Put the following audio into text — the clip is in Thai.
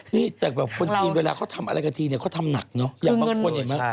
นี่แต่แบบคนจีนเวลาเขาทำอะไรกันทีเนี่ยเขาทำหนักเนอะอย่างบางคนเห็นไหม